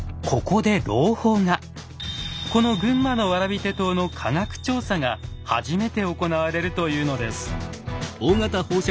この群馬の蕨手刀の科学調査が初めて行われるというのです。